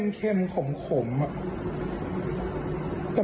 มันไม่เปรี้ยวอ่ะมันเค็มขมอ่ะ